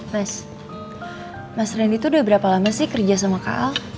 mas mas randy tuh udah berapa lama sih kerja sama ka